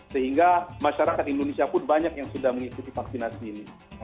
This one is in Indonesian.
sehingga masyarakat indonesia pun banyak yang sudah mengikuti vaksinasi ini